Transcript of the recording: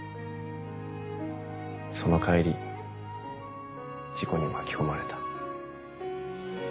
その帰り事故に巻き込まれた。